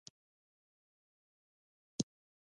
د ظالم منل د ځان ردول دي.